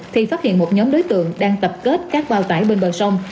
thì phát hiện một nhóm đối tượng đang tập kết các bao tải bên bờ sông